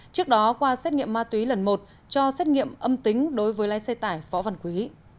trước đó qua xét nghiệm ma túy lần một cho xét nghiệm âm tính đối với lái xe tải võ văn quý